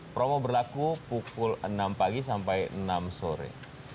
promo berlaku pukul enam pagi sampai enam sore